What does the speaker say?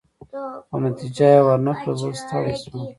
خو نتیجه يې ورنه کړل، زه ستړی شوم.